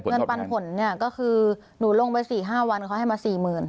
ปันผลเนี่ยก็คือหนูลงไป๔๕วันเขาให้มา๔๐๐๐